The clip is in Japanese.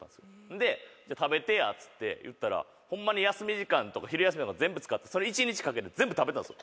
でじゃあ食べてやつって言ったらほんまに休み時間とか昼休みとか全部使ってそれ１日かけて全部食べたんですよ。